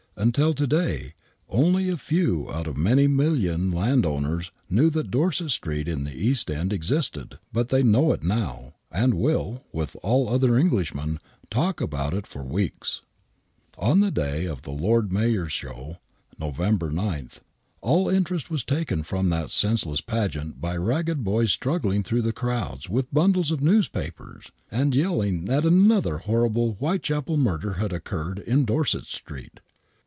Until to day only a few out of many million landowners knew that Dorset Street in the East End existed, but they know it now, and will, with all other Englishmen, talk about it for weeks. 46 THE WHITECHAPEL MURDERS On the day of the Lord Mayor's Show,, November d, all inter est was taken from that senseless pageant by ragged boys struggling through the crowds with bundles of newspapers, and yelling that another horrible Whitechapel murder had occurred in Dorset Street.